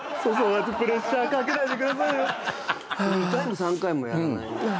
２回も３回もやらないよ。